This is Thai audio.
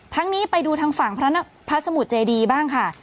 นี้ไปดูทางฝั่งพระสมุทรเจดีบ้างค่ะ